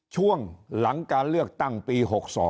ช่วงหลังการเลือกตั้งปี๖๒